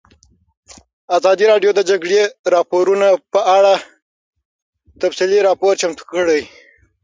ازادي راډیو د د جګړې راپورونه په اړه تفصیلي راپور چمتو کړی.